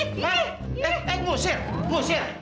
eh eh eh musir musir